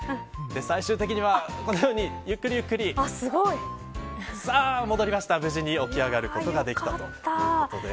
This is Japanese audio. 最終的にはこのようにゆっくりゆっくり無事に起き上がることができましたということで